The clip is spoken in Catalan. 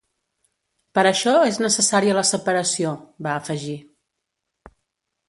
"Per això és necessària la separació", va afegir.